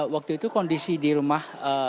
waktu itu kondisi di rumah